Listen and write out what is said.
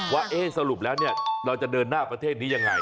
ว่าสรุปแล้วเราจะเดินหน้าประเทศนี้ยังไง